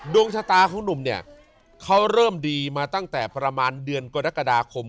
ดวงชะตาของหนุ่มเนี่ยเขาเริ่มดีมาตั้งแต่ประมาณเดือนกรกฎาคม